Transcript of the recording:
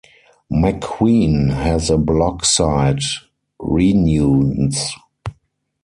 McQueen has a blog site 'renewnz.